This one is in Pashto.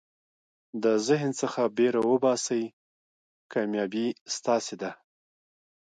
د ذهن څخه بېره وباسئ، کامیابي ستاسي ده.